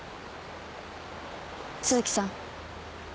都築さん。